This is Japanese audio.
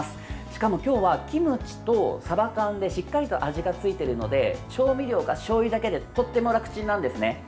しかも今日はキムチとさば缶でしっかりと味がついているので調味料がしょうゆだけでとっても楽チンなんですね。